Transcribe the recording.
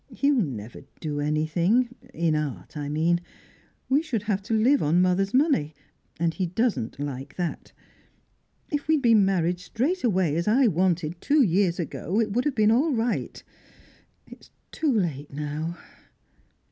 He'll never do anything in art, I mean. We should have to live on mother's money, and he doesn't like that. If we had been married straight away, as I wanted, two years ago, it would have been all right. It's too late now."